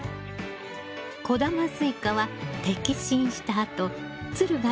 小玉スイカは摘心したあとつるが